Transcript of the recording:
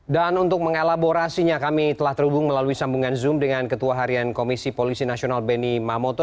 dan untuk mengelaborasinya kami telah terhubung melalui sambungan zoom dengan ketua harian komisi polisi nasional benny mamoto